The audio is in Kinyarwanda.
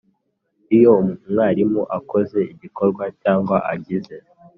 Iyo umwarimu akoze igikorwa cyangwa agize